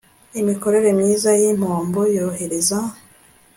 imikorere myiza y impombo yohereza